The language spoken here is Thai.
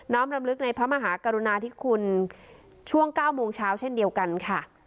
น้องบรรมลึกในพระมหากรุณาทิศคุณช่วงเก้าโมงเช้าเช่นเดียวกันค่ะ